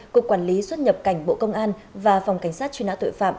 cục quản lý xuất nhập cảnh bộ công an và phòng cảnh sát truy nã tội phạm